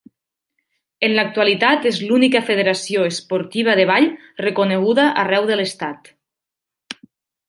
En l’actualitat és l’única federació esportiva de ball reconeguda arreu de l’Estat.